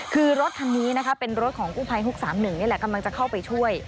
คือรถคันนี้นะคะเป็นรถของกู้ภัยฮุก๓๑นี่แหละกำลังจะเข้าไปช่วย